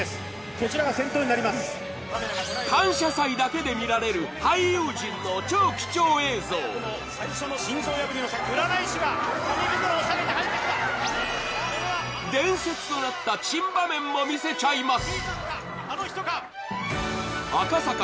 こちらが先頭になります「感謝祭」だけで見られる俳優陣の超貴重映像占い師が紙袋を提げて入ってきた伝説となった珍場面も見せちゃいます